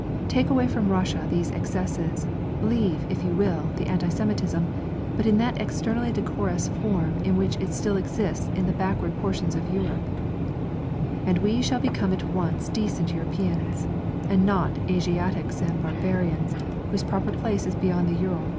Take away from Russia these excesses, leave, if you wish, the anti Semitism, but in that externally decorous form in which it still exists in the backward portions of Europe, and we shall become at once decent Europeans, and not Asiatics and barbarians, whose proper place is beyond the Ural.